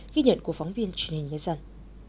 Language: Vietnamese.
ghi nhận của phóng viên truyền hình nhớ rằng